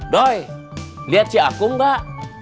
doi lihat si aku enggak